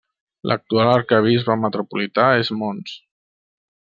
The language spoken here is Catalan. L'actual arquebisbe metropolità és Mons.